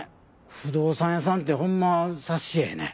不動産屋さんってほんま察しええね。